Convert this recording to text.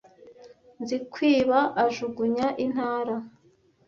Nzikwiba ajugunya intara,